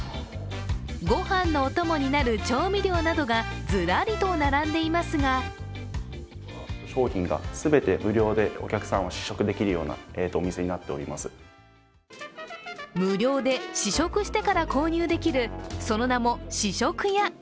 ご飯のお供になる調味料などがズラリと並んでいますが無料で試食してから購入できるその名も試食屋。